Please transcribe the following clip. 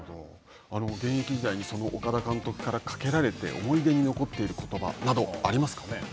現役時代にその岡田監督からかけられて思い出に残っている言葉など、ありますか。